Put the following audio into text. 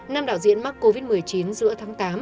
năm đạo diễn mắc covid một mươi chín giữa tháng tám